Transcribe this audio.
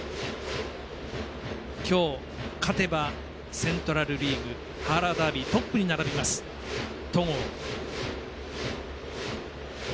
今日、勝てばセントラル・リーグハーラーダービートップに並びます、戸郷。